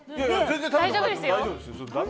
大丈夫ですよ。